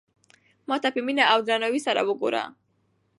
ما ته په مینه او درناوي سره وگوره.